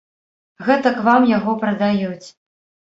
Гэтак вам яго прадаюць.